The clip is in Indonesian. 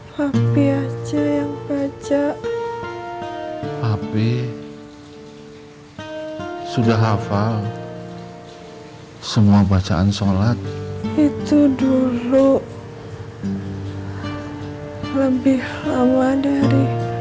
hampir aja yang baca api sudah hafal semua bacaan sholat itu dulu lebih lama dari